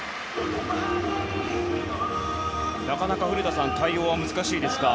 なかなか古田さん対応は難しいですか。